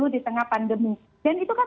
di tengah pandemi dan itu kan